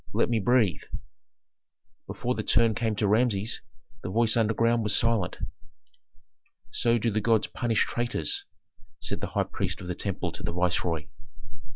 let me breathe!" Before the turn came to Rameses the voice underground was silent. "So do the gods punish traitors," said the high priest of the temple to the viceroy.